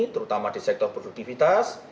terutama di sektor produktivitas